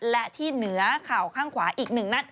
และที่เหนือเข่าข้างขวาอีก๑นัด